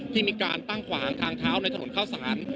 ที่มีการตั้งขวางทางเท้าในถนนเข้าสาร